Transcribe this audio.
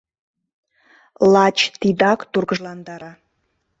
Лач тидак тургыжландара.